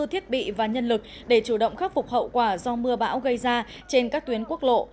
thiết bị và nhân lực để chủ động khắc phục hậu quả do mưa bão gây ra trên các tuyến quốc lộ